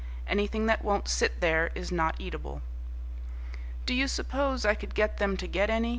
Anything that won't sit there is not eatable. "Do you suppose I could get them to get any?"